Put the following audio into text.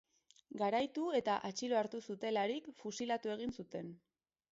Garaitu eta atxilo hartu zutelarik, fusilatu egin zuten.